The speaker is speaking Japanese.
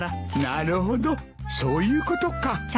なるほどそういうことか。